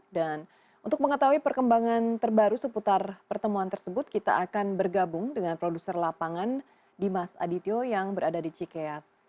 dan untuk mengetahui perkembangan terbaru seputar pertemuan tersebut kita akan bergabung dengan produser lapangan dimas adityo yang berada di cikeas